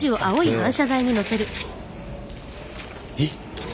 えっ。